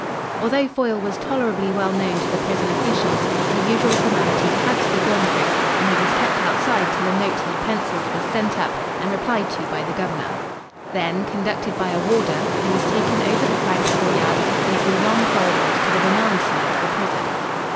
Although Foyle was tolerably well known to the prison officials, the usual formalities had to be gone through, and he was kept outside till a note he had pencilled was sent up and replied to by the governor. Then, conducted by a warder, he was taken over the flagged courtyard and through long corridors to the remand side of the prison.